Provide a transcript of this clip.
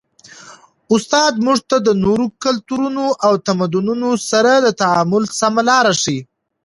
استاد موږ ته د نورو کلتورونو او تمدنونو سره د تعامل سمه لاره ښيي.